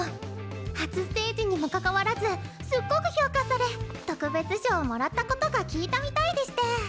初ステージにもかかわらずすっごく評価され特別賞をもらったことが効いたみたいでして。